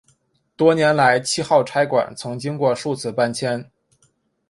多年来七号差馆曾经过数次搬迁。